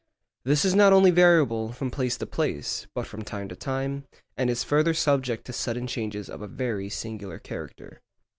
This is not only variable from place to place, but from time to time, and is further subject to sudden changes of a very singular character.